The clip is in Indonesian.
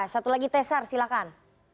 satu lagi tessar silakan